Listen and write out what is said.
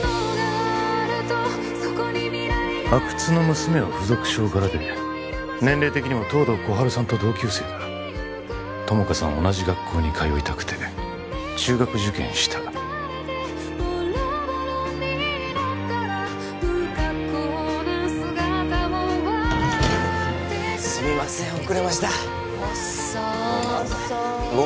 阿久津の娘は附属小からで年齢的にも東堂心春さんと同級生だ友果さんは同じ学校に通いたくて中学受験したすみません遅れました遅っごめんごめんごめん